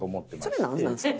それなんなんですか？